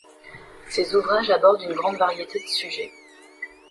Ses ouvrages abordent une grande variété de sujets.